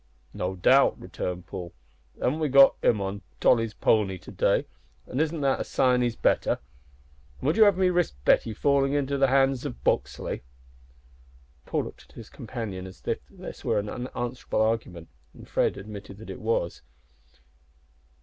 "No doubt," returned Paul; "but haven't we got him on Tolly's pony to day? and isn't that a sign he's better? An' would you have me risk Betty fallin' Into the hands o' Buxley?" Paul looked at his companion as if this were an unanswerable argument and Fred admitted that it was.